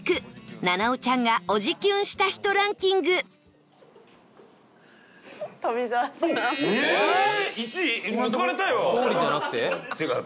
菜々緒ちゃんがおじキュンした人ランキング富澤さん。